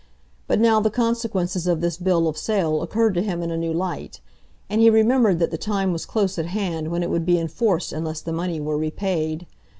But now the consequences of this bill of sale occurred to him in a new light, and he remembered that the time was close at hand when it would be enforced unless the money were repaid.